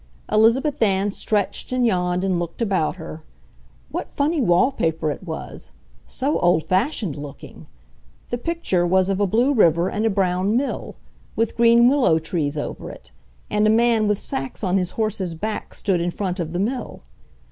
Elizabeth Ann stretched and yawned and looked about her. What funny wall paper it was—so old fashioned looking! The picture was of a blue river and a brown mill, with green willow trees over it, and a man with sacks on his horse's back stood in front of the mill.